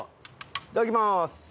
いただきます。